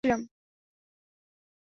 Phone হারিয়ে যাওয়ায় আমি হতাশ ছিলাম।